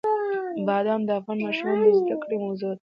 بادام د افغان ماشومانو د زده کړې موضوع ده.